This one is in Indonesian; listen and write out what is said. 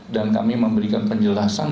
dan kami memberikan penjelasan